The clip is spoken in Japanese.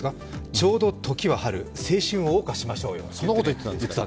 ちょうどときは春、青春をおう歌しましょうよ。